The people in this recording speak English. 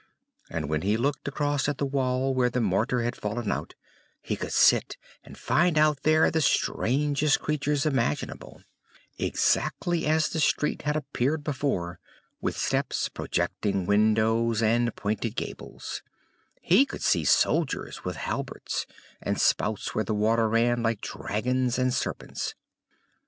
And when he looked across at the wall where the mortar had fallen out, he could sit and find out there the strangest figures imaginable; exactly as the street had appeared before, with steps, projecting windows, and pointed gables; he could see soldiers with halberds, and spouts where the water ran, like dragons and serpents.